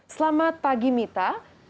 selamat pagi mita